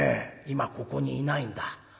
今ここにいないんだ。